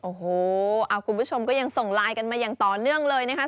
โอ้โหคุณผู้ชมก็ยังส่งไลน์กันมาอย่างต่อเนื่องเลยนะคะ